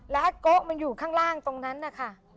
แล้วโก๊มันอยู่ข้างล่างตรงนั้นนะคะ